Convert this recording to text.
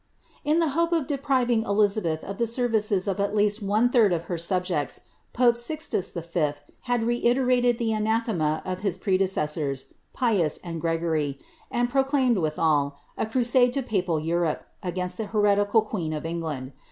In the hope of depriving Elizabeth of the services of at least a third of her subjects, pope Sixtus V. had reiterated the anathema of his pre decessors, Pius and Gregory, and proclaimed withal, a crusade to Papal Europe, against the hereticd queen of England.